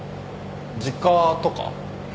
「実家」とか？